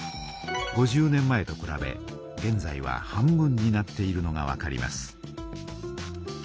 ５０年前とくらべげんざいは半分になっているのがわかります。